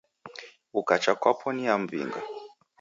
Ukacha kwapo niamw'inga.